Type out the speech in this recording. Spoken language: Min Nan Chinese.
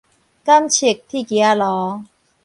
感測鐵枝仔路